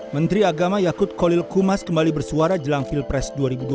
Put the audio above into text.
menteri agama yakut kolil kumas kembali bersuara jelang pilpres dua ribu dua puluh